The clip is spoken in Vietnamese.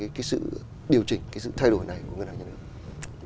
vậy ông phân tích như thế nào về sự điều chỉnh sự thay đổi này của ngân hàng nhà nước